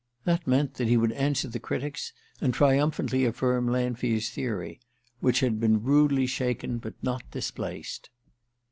That meant that he would answer the critics, and triumphantly affirm Lanfear's theory, which had been rudely shaken, but not displaced.